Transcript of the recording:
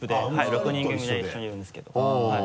６人組で一緒にいるんですけど。